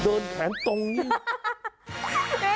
โดนแขนตรงนี้